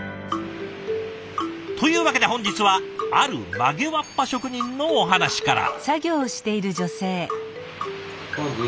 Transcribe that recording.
というわけで本日はある曲げわっぱ職人のお話から。